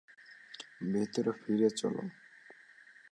ভেতরে ফিরে চলো।